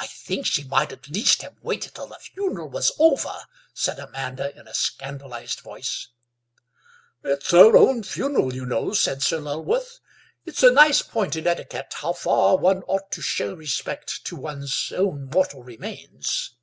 "I think she might at least have waited till the funeral was over," said Amanda in a scandalised voice. "It's her own funeral, you know," said Sir Lulworth; "it's a nice point in etiquette how far one ought to show respect to one's own mortal remains."